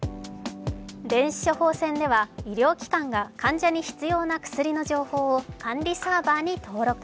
電子処方箋では医療機関が患者に必要な情報を管理サーバーに登録。